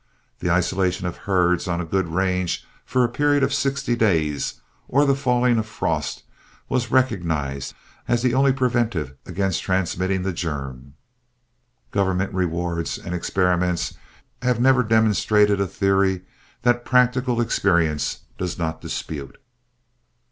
The isolation of herds on a good range for a period of sixty days, or the falling of frost, was recognized as the only preventive against transmitting the germ. Government rewards and experiments have never demonstrated a theory that practical experience does not dispute.